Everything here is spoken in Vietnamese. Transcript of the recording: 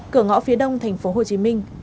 cửa ngõ phía đông tp hcm